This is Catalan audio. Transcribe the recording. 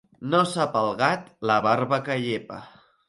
No sap el gat la barba que llepa.